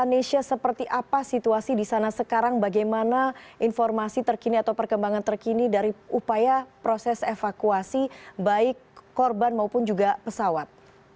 nesya seperti apa situasi di sana sekarang bagaimana informasi terkini atau perkembangan terkini dari upaya proses evakuasi baik korban maupun juga pesawat